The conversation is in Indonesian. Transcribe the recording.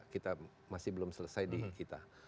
kita masih belum selesai di kita